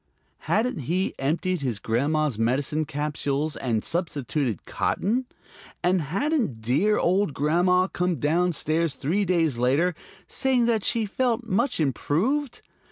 Hadn't he emptied his grandma's medicine capsules and substituted cotton? And hadn't dear old grandma come down stairs three days later, saying that she felt much improved?